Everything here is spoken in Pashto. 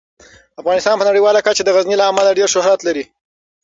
افغانستان په نړیواله کچه د غزني له امله ډیر شهرت لري.